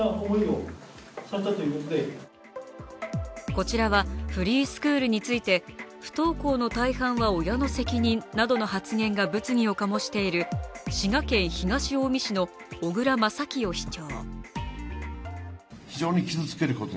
こちらはフリースクールについて、不登校の大半は親の責任などの発言が物議を醸している、滋賀県東近江市の小椋正清市長。